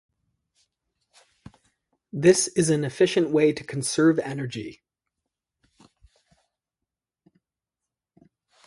This is an efficient way to conserve energy.